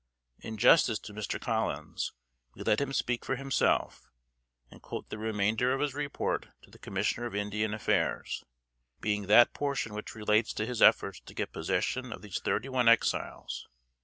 In justice to Mr. Collins, we let him speak for himself, and quote the remainder of his report to the Commissioner of Indian Affairs, being that portion which relates to his efforts to get possession of these thirty one Exiles.